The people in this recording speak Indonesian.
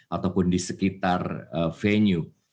ataupun di sekitar venue